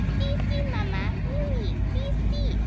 "See! see! mamma, Milly! see! see!"